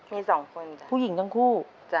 มีสองคนผู้หญิงทั้งคู่